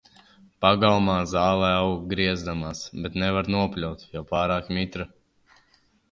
Pagalmā zāle aug griezdamās, bet nevar nopļaut, jo pārāk mitra.